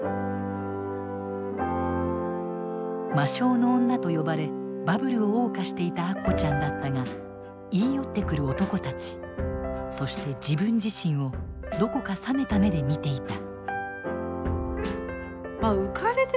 魔性の女と呼ばれバブルを謳歌していたアッコちゃんだったが言い寄ってくる男たちそして自分自身をどこか冷めた目で見ていた。